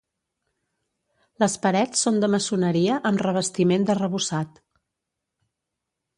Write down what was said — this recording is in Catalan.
Les parets són de maçoneria amb revestiment d'arrebossat.